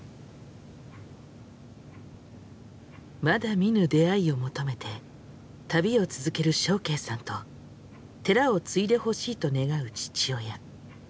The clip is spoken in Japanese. まだ見ぬ出会いを求めて旅を続ける祥敬さんと寺を継いでほしいと願う父親。